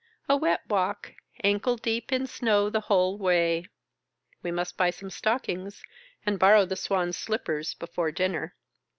A wet walk,, ankle deep in snow the whole way. We must buy some stockings, and borrow the Swan's slippers before dinner.